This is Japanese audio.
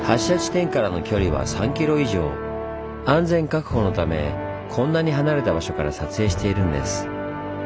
安全確保のためこんなに離れた場所から撮影しているんです。